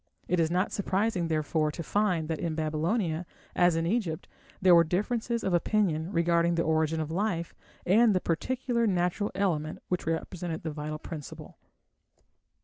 It is not surprising, therefore, to find that in Babylonia, as in Egypt, there were differences of opinion regarding the origin of life and the particular natural element which represented the vital principle.